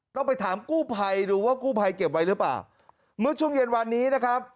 ต้องไปถามกู้ภัยดูว่ากู้ภัยเก็บไว้หรือเปล่าเมื่อช่วงเย็นวันนี้นะครับ